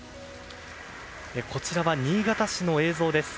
こちらは新潟市の映像です。